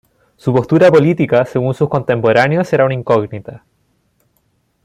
Su postura política, según sus contemporáneos era una incógnita.